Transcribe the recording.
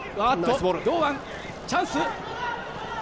堂安、チャンス。